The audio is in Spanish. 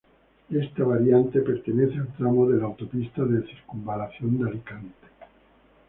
Esta variante pertenece al tramo de la autopista de Circunvalación de Alicante.